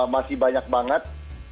masih banyak banget